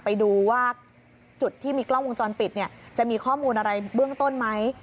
ไปดูว่าจุดที่มีกล้องวงจรปิดเนี่ยจะมีข้อมูลอะไรเบื้องต้นไหม